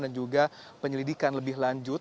dan juga penyelidikan lebih lanjut